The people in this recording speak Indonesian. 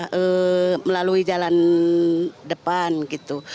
terus saya lalu jalan depan gitu